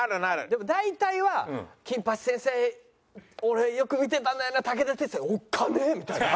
でも大体は『金八先生』俺よく見てたんだよな武田鉄矢おっかねえ！みたいな。